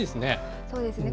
そうですね。